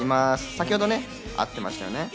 先ほど会ってましたね。